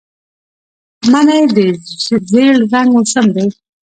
مني د زېړ رنګ موسم دی